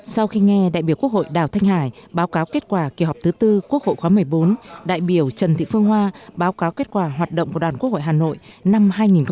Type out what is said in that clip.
sau khi nghe đại biểu quốc hội đào thanh hải báo cáo kết quả kỳ họp thứ tư quốc hội khóa một mươi bốn đại biểu trần thị phương hoa báo cáo kết quả hoạt động của đoàn quốc hội hà nội năm hai nghìn một mươi chín